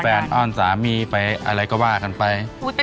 อ้อนสามีไปอะไรก็ว่ากันไป